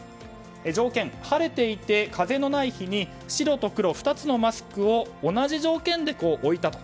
条件、晴れていて風のない日に白と黒、２つのマスクを同じ条件で置いたと。